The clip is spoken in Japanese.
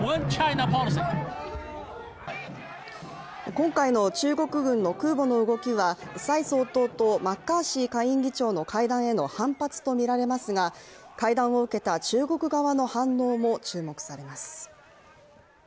今回の中国軍の空母の動きは蔡総統とマッカーシー下院議長の会談への反発とみられますが、会談を受けた中国側の反応も注目されます。